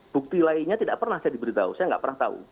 bukti lainnya tidak pernah saya diberitahu saya tidak pernah tahu